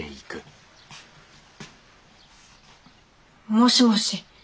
もしもし。